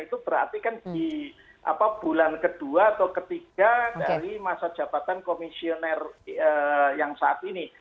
itu berarti kan di bulan kedua atau ketiga dari masa jabatan komisioner yang saat ini